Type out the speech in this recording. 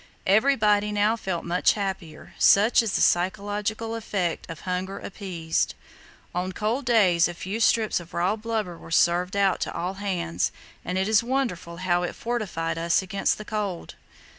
Everybody now felt much happier; such is the psychological effect of hunger appeased. On cold days a few strips of raw blubber were served out to all hands, and it is wonderful how it fortified us against the cold.